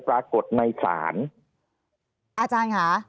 ภารกิจสรรค์ภารกิจสรรค์